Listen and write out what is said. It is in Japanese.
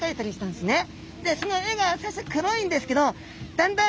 でその絵が最初黒いんですけどなるほど。